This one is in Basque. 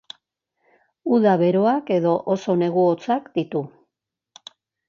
Uda beroak eta oso negu hotzak ditu.